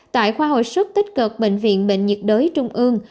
tại khoa hồi sức tích cực bệnh viện bệnh nhiệt đới trung ương